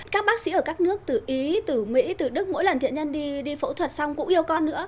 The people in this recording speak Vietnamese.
các bác sĩ ở các nước từ ý từ mỹ từ đức mỗi lần thiện nhân đi đi phẫu thuật xong cũng yêu con nữa